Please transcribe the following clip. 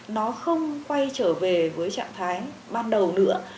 nó không quay trở về với trạng thái ban đầu nữa